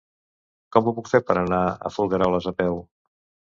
Com ho puc fer per anar a Folgueroles a peu?